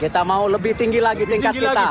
kita mau lebih tinggi lagi tingkat kita